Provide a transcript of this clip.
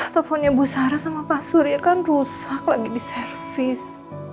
teleponnya bu sarah sama pak surya kan rusak lagi di servis